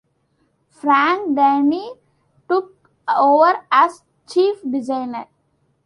Frank Dernie took over as chief designer.